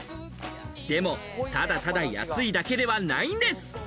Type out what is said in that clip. でも、ただただ安いだけではないんです。